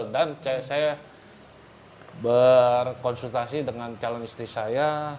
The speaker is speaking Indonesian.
dan saya berkonsultasi dengan calon istri saya